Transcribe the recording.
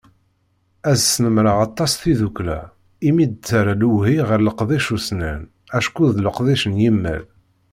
Ad snemreɣ aṭas tiddukkla imi i d-terra lewhi ɣer leqdic ussnan acku d leqdic n yimal.